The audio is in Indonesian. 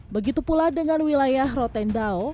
begitu pula dengan wilayah rotendao